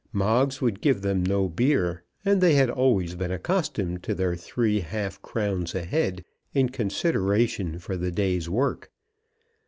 Moggs would give them no beer, and they had always been accustomed to their three half crowns a head in consideration for the day's work.